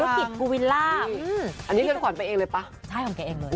อุ้ยสวยกันคุณวิลล่าอันนี้เรือนขวัญไปเองเลยปะ